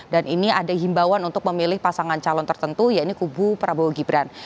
dan ini ada himbauan untuk memilih pasangan calon tertentu yaitu kubu prabowo gibran